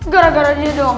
gara gara dia doang